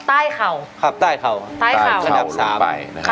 ใต้เข่าข้างดับ๓ครับใต้เข่าครับใต้เข่า